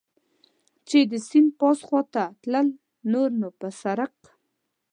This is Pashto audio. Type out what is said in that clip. چې د سیند پاس خوا ته تلل، نور نو پر سړک.